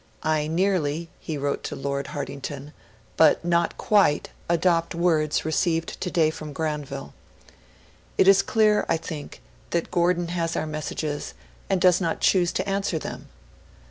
'I nearly,' he wrote to Lord Hartington, 'but not quite, adopt words received today from Granville. "It is clear, I think, that Gordon has our messages, and does not choose to answer them."'